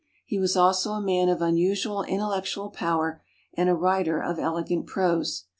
He was also a man of unusual intellectual power and a writer of elegant prose.